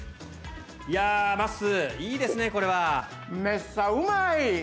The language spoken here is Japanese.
いやまっすーいいですねこれは。めっさうまい！